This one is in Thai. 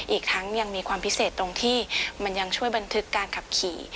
อีกทั้งยังมีความพิเศษตรงที่มันยังช่วยบันทึกการขับขี่